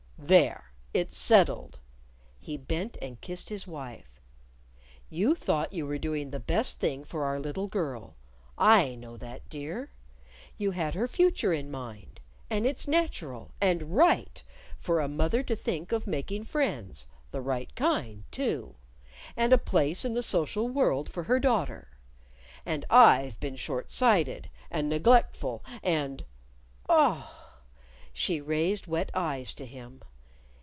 "There! It's settled." He bent and kissed his wife. "You thought you were doing the best thing for our little girl I know that, dear. You had her future in mind. And it's natural and right for a mother to think of making friends the right kind, too and a place in the social world for her daughter. And I've been short sighted, and neglectful, and " "Ah!" She raised wet eyes to him.